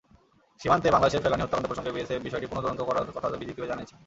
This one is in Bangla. সীমান্তে বাংলাদেশের ফেলানী হত্যাকাণ্ড প্রসঙ্গে বিএসএফ বিষয়টি পুনঃ তদন্ত করার কথা বিজিবিকে জানিয়েছে।